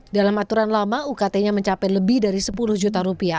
dalam aturan lama ukt nya mencapai lebih dari sepuluh juta rupiah